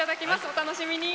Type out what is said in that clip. お楽しみに。